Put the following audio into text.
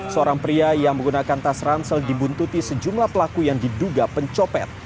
seorang pria yang menggunakan tas ransel dibuntuti sejumlah pelaku yang diduga pencopet